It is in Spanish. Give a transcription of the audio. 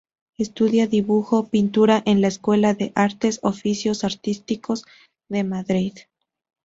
Estudia dibujo y pintura en la Escuela de Artes y Oficios Artísticos de Madrid.